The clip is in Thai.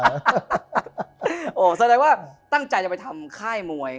เต็มนักว่าตั้งใจจะไปทำค่ายมวย